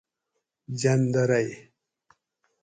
جندرئ